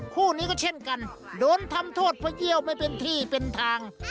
คู่นี้ก็เช่นกันโดนทำโทษเพราะเยี่ยวไม่เป็นที่เป็นทาง